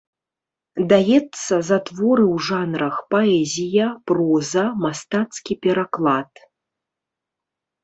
Даецца за творы ў жанрах паэзія, проза, мастацкі пераклад.